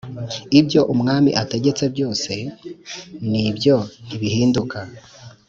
ibyo umwami ategetse nibyo ntibihinduka